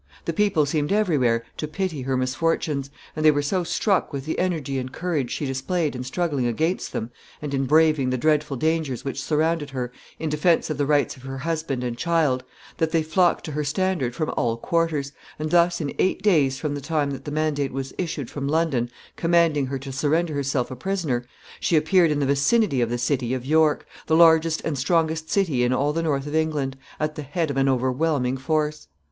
The people seemed every where to pity her misfortunes, and they were so struck with the energy and courage she displayed in struggling against them, and in braving the dreadful dangers which surrounded her in defense of the rights of her husband and child, that they flocked to her standard from all quarters, and thus in eight days from the time that the mandate was issued from London commanding her to surrender herself a prisoner, she appeared in the vicinity of the city of York, the largest and strongest city in all the north of England, at the head of an overwhelming force. [Sidenote: Movement of the duke.